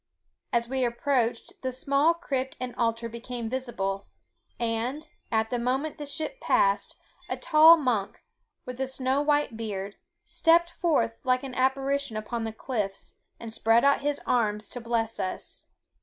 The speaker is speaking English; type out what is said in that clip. As we approached, the small crypt and altar became visible; and, at the moment the ship passed, a tall monk, with a snow white beard, stepped forth like an apparition upon the cliffs, and spread out his arms to bless us.